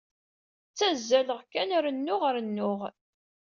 Ttazzaleɣ kan, rennuɣ, rennuɣ.